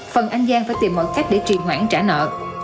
phần anh giang phải tìm mọi cách để trì hoãn trả nợ